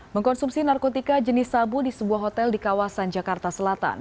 mengkonsumsi narkotika jenis sabu di sebuah hotel di kawasan jakarta selatan